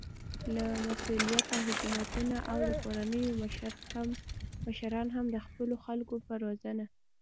با مسؤليته حکومتونه او د کورنيو مشران هم د خپلو خلکو په روزنه